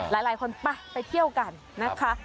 หลายคนไปไปเที่ยวกันนะคะ